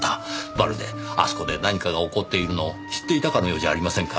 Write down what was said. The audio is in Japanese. まるであそこで何かが起こっているのを知っていたかのようじゃありませんか。